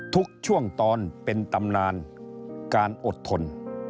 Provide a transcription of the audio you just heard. ทุกช่วงตอนเป็นตำนานการอดทน